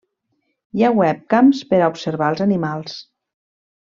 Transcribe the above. Hi ha webcams per a observar els animals.